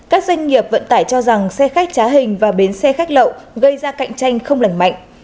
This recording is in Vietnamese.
các doanh nghiệp vận tải cho rằng xe khách trá hình và bến xe khách lậu gây ra cạnh tranh không lẩn mạnh